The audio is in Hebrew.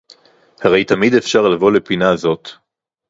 הרי תמיד אפשר לבוא לפינה הזאת